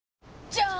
じゃーん！